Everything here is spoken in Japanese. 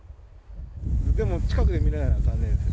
でも近くで見れないのは残念です。